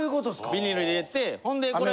ビニールに入れてほんでこれ。